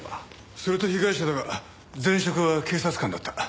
それと被害者だが前職は警察官だった。